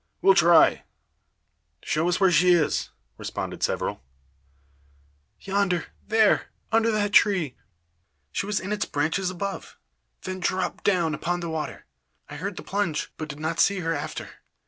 "We'll try; show us where she is," respond several. "Yonder there under that tree. She was in its branches above, then dropped down upon the water. I heard the plunge, but did not see her after.